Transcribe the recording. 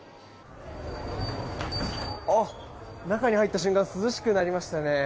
中に入った瞬間涼しくなりましたね。